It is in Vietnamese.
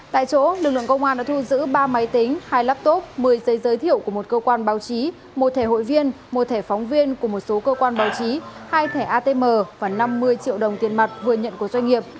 tại chỗ lực lượng công an đã thu giữ ba máy tính hai laptop một mươi giấy giới thiệu của một cơ quan báo chí một thẻ hội viên một thẻ phóng viên của một số cơ quan báo chí hai thẻ atm và năm mươi triệu đồng tiền mặt vừa nhận của doanh nghiệp